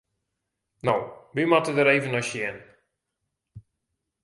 No, we moatte der even nei sjen.